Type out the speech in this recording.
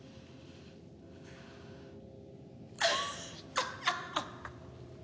アハハハハ！